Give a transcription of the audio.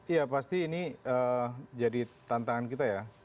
iya pasti ini jadi tantangan kita ya